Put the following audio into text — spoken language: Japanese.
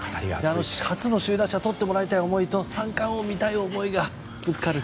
初の首位打者とってもらいたい思いと三冠王を見たい思いがぶつかる。